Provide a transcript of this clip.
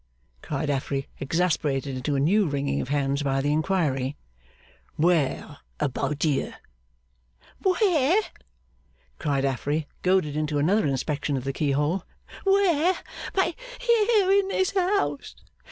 cried Affery, exasperated into a new wringing of hands by the inquiry. 'Where about here?' 'Where!' cried Affery, goaded into another inspection of the keyhole. 'Where but here in this house?